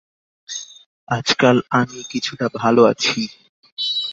আজকাল আমি কিছুটা ভাল আছি।